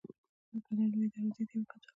د کلا لويي دروازې ته يې وکتل.